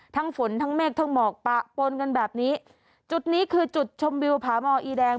ฝนทั้งเมฆทั้งหมอกปะปนกันแบบนี้จุดนี้คือจุดชมวิวผาหมออีแดง